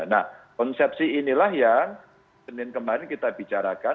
nah konsepsi inilah yang senin kemarin kita bicarakan